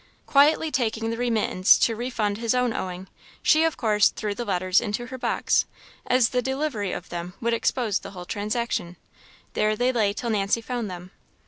Quietly taking the remittance to refund his own owing, she of course threw the letters into her box, as the delivery of them would expose the whole transaction. There they lay till Nancy found them.